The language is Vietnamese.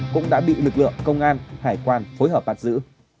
cũng đã bị lực lượng công an hải quan phối hợp bắt giữ